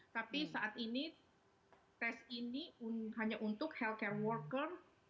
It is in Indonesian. tapi saat ini tes ini hanya untuk healthcare worker